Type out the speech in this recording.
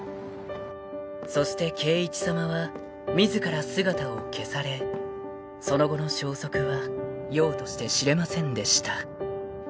［そして圭一さまは自ら姿を消されその後の消息はようとして知れませんでした］